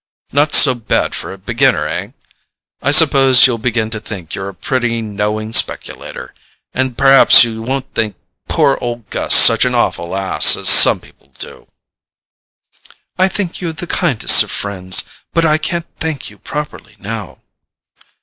Not so bad for a beginner, eh? I suppose you'll begin to think you're a pretty knowing speculator. And perhaps you won't think poor old Gus such an awful ass as some people do." "I think you the kindest of friends; but I can't thank you properly now."